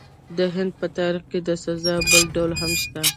د هند په تاریخ کې د سزا بل ډول هم شته.